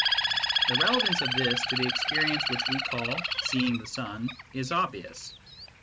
The relevance of this to the experience which we call " seeing the sun " is obvious.